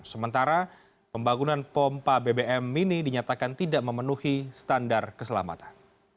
sementara pembangunan pompa bbm mini dinyatakan tidak memenuhi standar keselamatan